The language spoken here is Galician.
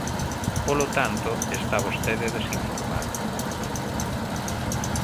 Polo tanto, está vostede desinformado.